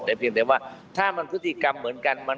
แต่เพียงแต่ว่าถ้ามันพฤติกรรมเหมือนกัน